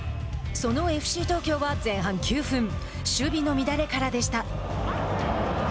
そのＦＣ東京は、前半９分守備の乱れからでした。